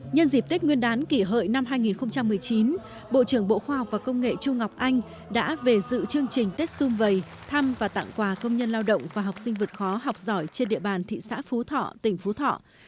nhân dịp tết nguyên đán kỷ hợi năm hai nghìn một mươi chín bộ trưởng bộ khoa học và công nghệ chu ngọc anh đã về dự chương trình tết xung vầy thăm và tặng quà công nhân lao động và học sinh vượt khó học giỏi trên địa bàn thị xã phú thọ tỉnh phú thọ